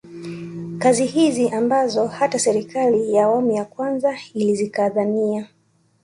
Kazi hizi ambazo hata serikali ya awamu ya kwanza ilizikazania